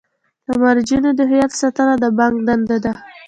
د مراجعینو د هویت ساتنه د بانک دنده ده.